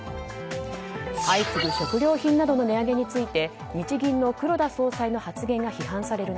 相次ぐ食料品などの値上げについて日銀の黒田総裁の発言が批判される